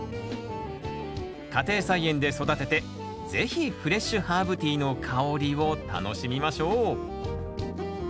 家庭菜園で育てて是非フレッシュハーブティーの香りを楽しみましょう。